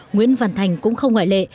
nguyễn văn thành cũng không ngoại lệ